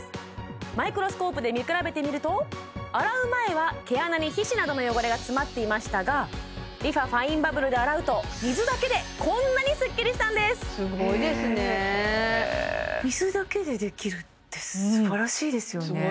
マイクロスコープで見比べてみると洗う前は毛穴に皮脂などの汚れが詰まっていましたがＲｅＦａファインバブルで洗うと水だけでこんなにすっきりしたんですすごいですねすごいですね